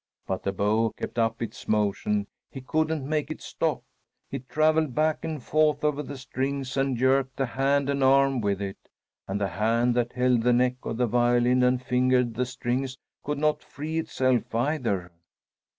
But the bow kept up its motion; he couldn't make it stop. It travelled back and forth over the strings and jerked the hand and arm with it; and the hand that held the neck of the violin and fingered the strings could not free itself, either.